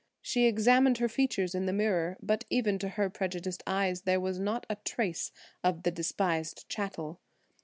She examined her features in the mirror, but even to her prejudiced eyes there was not a trace of the despised chattel.